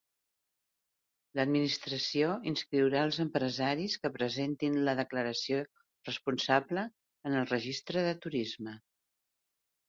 L'Administració inscriurà els empresaris que presentin la declaració responsable en el Registre de Turisme.